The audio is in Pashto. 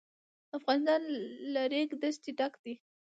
افغانستان له د ریګ دښتې ډک دی.